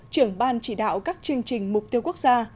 trưởng ban chỉ đạo các chương trình mục tiêu quốc gia